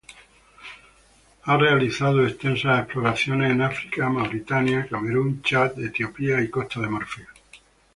Ha realizado extensas exploraciones en África, Mauritania, Camerún, Chad, Etiopía, Costa de Marfil.